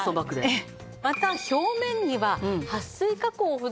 えっ！？